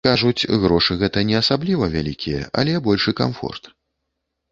Кажуць, грошы гэта не асабліва вялікія, але большы камфорт.